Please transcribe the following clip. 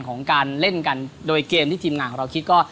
ของการเล่นกันโดยเกมที่ทีมงานของเราคิดก็